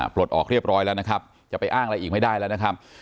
ปลดออกเรียบร้อยแล้วนะครับจะไปอ้างอะไรอีกไม่ได้แล้วนะครับ